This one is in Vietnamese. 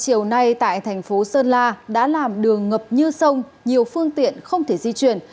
chiều nay tại thành phố sơn la đã làm đường ngập như sông nhiều phương tiện không thể di chuyển